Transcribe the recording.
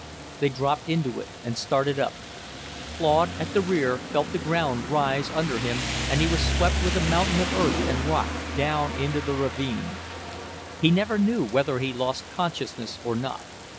They dropped into it and started up. Claude, at the rear, felt the ground rise under him, and he was swept with a mountain of earth and rock down into the ravine. He never knew whether he lost consciousness or not.